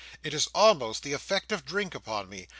It has almost the effect of drink upon me.